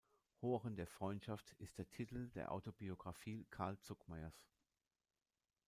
Horen der Freundschaft ist der Titel der Autobiographie Carl Zuckmayers.